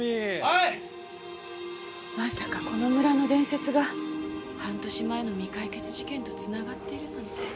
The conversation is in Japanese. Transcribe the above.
まさかこの村の伝説が半年前の未解決事件と繋がっているなんて。